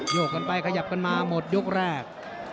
โยกกันไปขยับกันมาหมดยกแรก